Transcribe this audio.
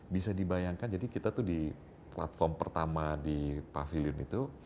bisa dibayangkan jadi kita tuh di platform pertama di pavilion itu